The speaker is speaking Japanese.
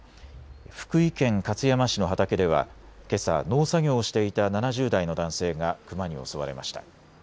福井県勝山市の畑ではけさ農作業をしていた７０代の男性がクマに襲われました。